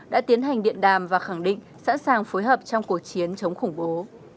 đã tiến hành điện đàm và khẳng định sẵn sàng phối hợp trong cuộc chiến chống khủng bố